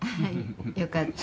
よかった。